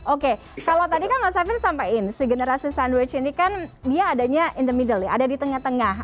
oke kalau tadi kan mas safir sampaikan si generasi sandwich ini kan dia adanya in the middle ya ada di tengah tengah